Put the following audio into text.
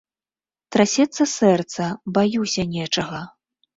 Трасецца сэрца, баюся нечага.